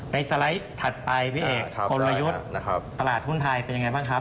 สไลด์ถัดไปพี่เอกกลยุทธ์ตลาดหุ้นไทยเป็นยังไงบ้างครับ